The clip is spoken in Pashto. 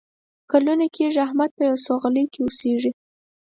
کلونه کېږي احمد په یوه سوغلۍ کې اوسېږي.